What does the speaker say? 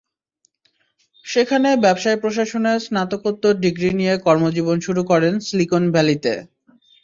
সেখানে ব্যবসায় প্রশাসনে স্নাতকোত্তর ডিগ্রি নিয়ে কর্মজীবন শুরু করেন সিলিকন ভ্যালিতে।